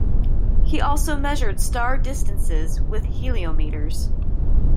He also measured star distances with heliometers.